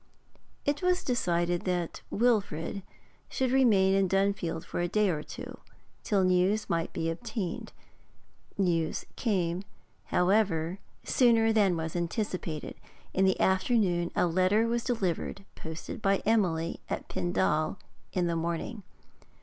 It was decided that Wilfrid should remain in Dunfield for a day or two, till news might be obtained. News came, however, sooner than was anticipated. In the afternoon a letter was delivered, posted by Emily at Pendal in the morning.